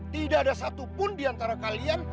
tidak ada satupun diantara kalian